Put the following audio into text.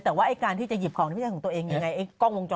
แต่ว่าการที่จะหยิบของนี่ไม่ใช่ของตัวเอง